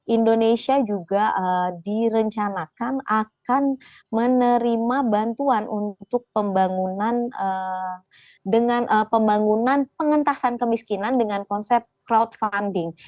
indonesia juga direncanakan akan menerima bantuan untuk pembangunan dengan pembangunan pengentasan kemiskinan dengan konsep crowdfunding